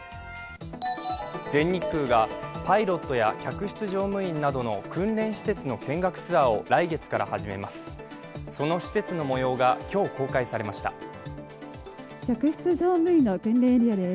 全日空がパイロットや客室乗務員などの訓練施設の見学ツアーを来月から始めます。